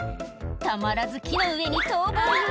たまらず木の上に逃亡。